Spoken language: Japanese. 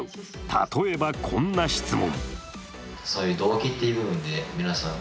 例えば、こんな質問。